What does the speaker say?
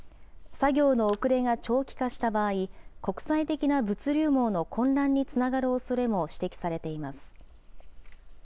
作業の遅れが長期化した場合、国際的な物流網の混乱につながるおそれも指摘されています。